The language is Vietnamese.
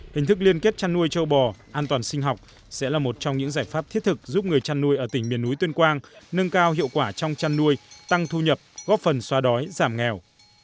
hình thức liên kết chăn nuôi châu bò an toàn sinh học sẽ là một trong những giải pháp thiết thực giúp người chăn nuôi ở tỉnh miền núi tuyên quang nâng cao hiệu quả trong chăn nuôi tăng thu nhập góp phần xóa đói giảm nghèo